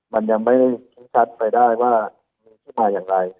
มันยังไม่ชิ้นชัดไปได้ว่ามันจะไปอย่างไร